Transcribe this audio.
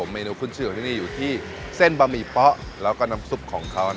เมนูขึ้นชื่อของที่นี่อยู่ที่เส้นบะหมี่เป๊ะแล้วก็น้ำซุปของเขา